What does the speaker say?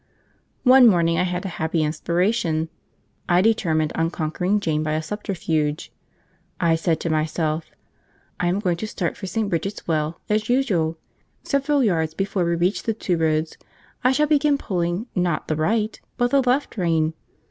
One morning I had a happy inspiration; I determined on conquering Jane by a subterfuge. I said to myself: "I am going to start for St. Bridget's Well, as usual; several yards before we reach the two roads, I shall begin pulling, not the right, but the left rein.